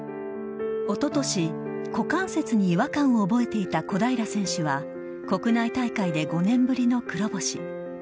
おととし、股関節に違和感を覚えていた小平選手は、国内大会で５年ぶりの黒星。